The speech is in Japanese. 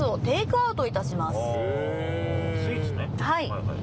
はい。